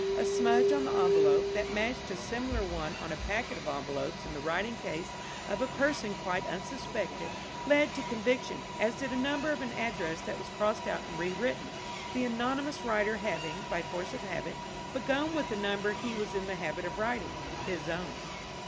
A smudge on the envelope, that matched a similar one on a packet of envelopes in the writing case of a person quite unsuspected, led to conviction, as did a number of an address that was crossed out and rewritten, the anonymous writer having, by force of habit, begun with the number he was in the habit of writing his own.